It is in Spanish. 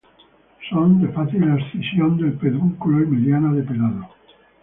Son de fácil abscisión del pedúnculo y mediana de pelado.